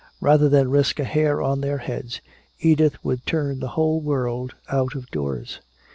Rather than risk a hair on their heads, Edith would turn the whole world out of doors!